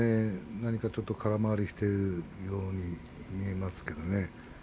何かちょっと空回りしているように見えますけどね。